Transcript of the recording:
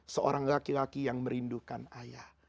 seorang laki laki yang merindukan ayah